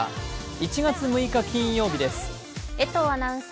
１月６日、金曜日です。